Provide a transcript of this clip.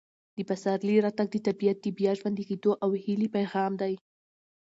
د پسرلي راتګ د طبیعت د بیا ژوندي کېدو او هیلې پیغام دی.